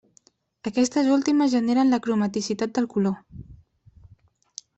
Aquestes últimes generen la cromaticitat del color.